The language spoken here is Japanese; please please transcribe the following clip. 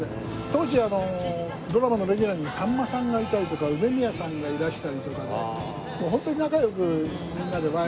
当時ドラマのレギュラーにさんまさんがいたりとか梅宮さんがいらしたりとかでもうホントに仲良くみんなでワイワイガヤガヤやってて。